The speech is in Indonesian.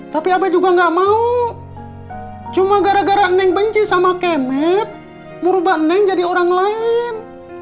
tapi abe juga gak mau cuma gara gara neng benci sama kemet merubah neng jadi orang lain